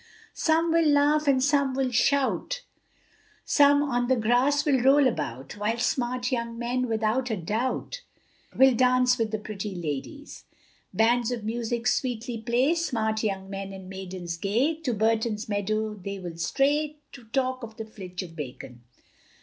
Some will laugh, and some will shout, Some on the grass will roll about, While smart young men, without a doubt, Will dance with the pretty ladies; Bands of music sweetly play, Smart young men and maidens gay, To Burton's meadow they will stray, To talk of the flitch of bacon.